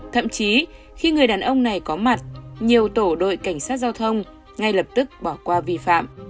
thậm chí khi người đàn ông này có mặt nhiều tổ đội cảnh sát giao thông ngay lập tức bỏ qua vi phạm